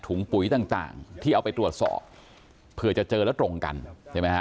ปุ๋ยต่างที่เอาไปตรวจสอบเผื่อจะเจอแล้วตรงกันใช่ไหมฮะ